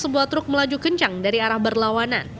sebuah truk melaju kencang dari arah berlawanan